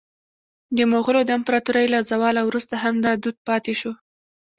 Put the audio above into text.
د مغولو د امپراطورۍ له زواله وروسته هم دا دود پاتې شو.